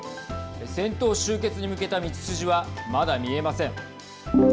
戦闘終結に向けた道筋はまだ見えません。